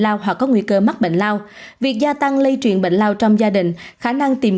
lao hoặc có nguy cơ mắc bệnh lao việc gia tăng lây truyền bệnh lao trong gia đình khả năng tìm